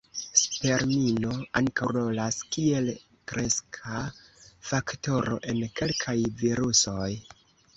Spermino ankaŭ rolas kiel kreska faktoro en kelkaj virusoj.